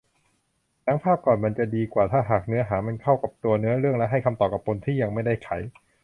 หนังภาคก่อนมันจะดีกว่าถ้าหากเนื้อหามันเข้ากับตัวเนื้อเรื่องและให้คำตอบกับปมที่ยังไม่ได้ไข